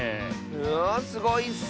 うわすごいッス！